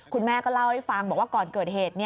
คุณแม่ก็เล่าให้ฟังบอกว่าก่อนเกิดเหตุ